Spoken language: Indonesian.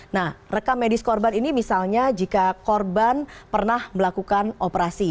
nah rekam medis korban ini misalnya jika korban pernah melakukan operasi